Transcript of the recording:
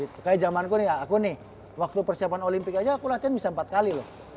kayak jaman ku nih ya aku nih waktu persiapan olimpik aja aku latihan bisa empat kali loh